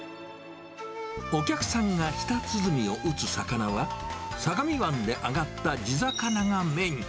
お客さんが舌鼓を打つ魚は、相模湾で上がった地魚がメイン。